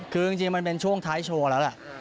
คือจริงมันเป็นช่วงท้ายโชว์แล้วแหละ